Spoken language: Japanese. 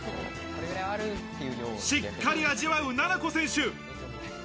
しっかり味わう、なな子選手。